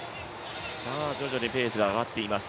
徐々にペースが上がっています。